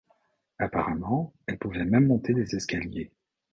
Apparemment, elle pouvait même monter des escaliers.